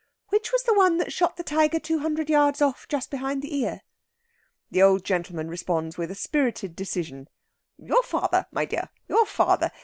"Which was the one that shot the tiger two hundred yards off, just behind the ear?" The old gentleman responds with a spirited decision: "Your father, my dear, your father.